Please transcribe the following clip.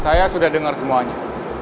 saya sudah denger semuanya